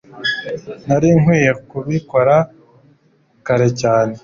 Nari nkwiye kubikora kare cyane.